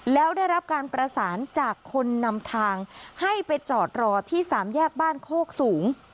แล้วได้รับการประสานจากคนนำทางให้ไปจอดรอที่สามแยกบ้านโคกสูง